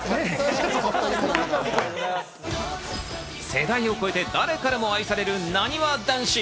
世代を超えて誰からも愛されるなにわ男子。